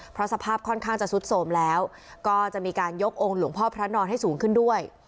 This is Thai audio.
เพราะสภาพค่อนข้างจะสุดโสมแล้วก็จะมีการยกองค์หลวงพ่อพระนอนให้สูงขึ้นด้วย